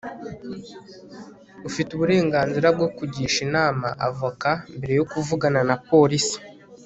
ufite uburenganzira bwo kugisha inama avoka mbere yo kuvugana na polisi